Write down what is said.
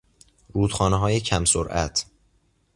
رودخانههای کم سرعت